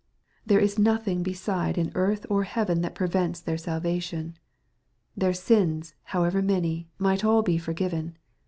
There is nothing beside in earth or heaven that prevents their salvation. Their sins, however many, might all be forgiven.